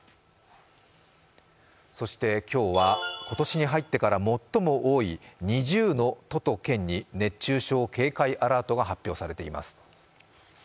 そして今日は今年に入ってから最も多い２０の都と県に熱中症警戒アラートが発表されています。